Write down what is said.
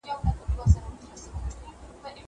زه به سبا سبزېجات تيار کړم!